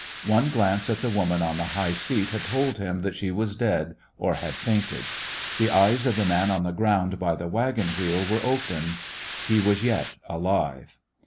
One glance at the woman on the high seat had told him that she was dead or had fainted. The eyes of the man on the ground by the wagon wheel were open; he was yet alive.